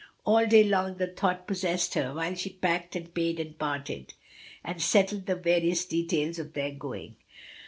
All day long the thought possessed her while she packed and paid and parted, and settled the various details of their going.